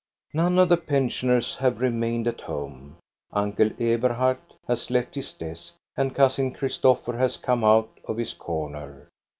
None of the pensioners have remained at home. Uncle Eberhard has left his desk, and Cousin Chris topher has come out of his corner.